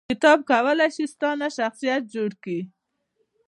کتاب کولای شي ستا نه شخصیت جوړ کړي